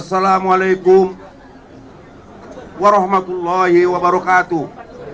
assalamualaikum warahmatullahi wabarakatuh